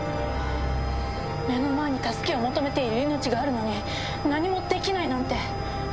目の前に助けを求めている命があるのに何もできないなんて！